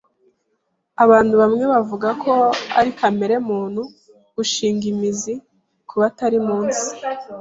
Abantu bamwe bavuga ko ari kamere muntu gushinga imizi kubatari munsi.